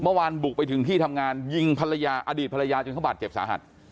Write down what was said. เมื่อวานบุกไปถึงที่ทำงานยิงภรรยาอดีตภรรยาจนเขาบาดเจ็บสาหัส